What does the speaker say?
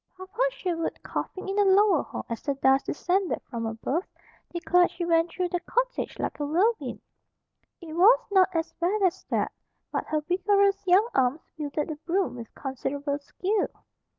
Papa Sherwood, coughing in the lower hall as the dust descended from above, declared she went through the cottage like a whirlwind. It was not as bad as that, but her vigorous young arms wielded the broom with considerable skill.